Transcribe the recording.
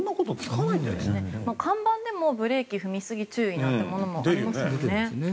看板でもブレーキ踏みすぎ注意なんてものがありますね。